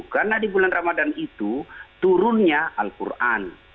karena di bulan ramadan itu turunnya al quran